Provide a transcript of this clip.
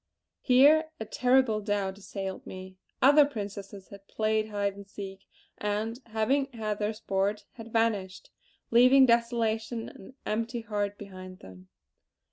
Here a terrible doubt assailed me. Other Princesses had played hide and seek; and, having had their sport, had vanished; leaving desolation and an empty heart behind them.